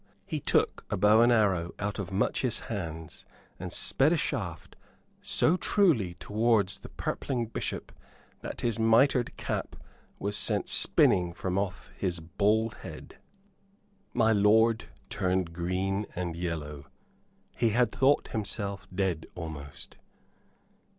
He took a bow and arrow out of Much's hands, and sped a shaft so truly towards the purpling Bishop that his mitred cap was sent spinning from off his bald head. My lord turned green and yellow. He had thought himself dead almost.